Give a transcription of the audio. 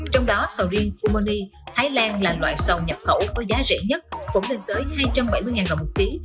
trong đó sầu riêng fumoni thái lan là loại sầu nhập khẩu có giá rẻ nhất cũng lên tới hai trăm bảy mươi đồng một ký